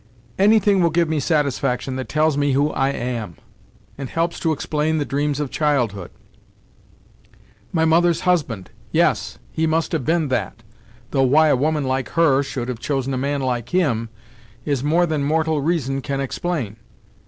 "Anything will give me satisfaction that tells me who I am, and helps to explain the dreams of childhood. My mother's husband! Yes, he must have been that, though why a woman like her, should have chosen a man like him, is more than mortal reason can explain.